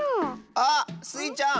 あっスイちゃん！